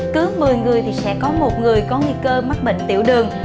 cứ một mươi người thì sẽ có một người có nguy cơ mắc bệnh tiểu đường